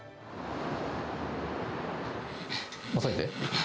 押さえて。